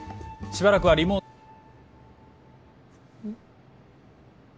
しばらくはリモうん？